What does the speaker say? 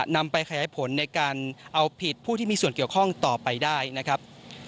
นำไปขยายผลในการเอาผิดผู้ที่มีส่วนเกี่ยวข้องต่อไปได้นะครับ